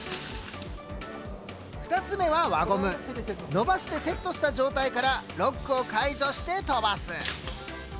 ２つ目は伸ばしてセットした状態からロックを解除して飛ばす。